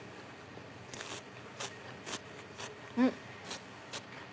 うん！